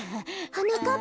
はなかっ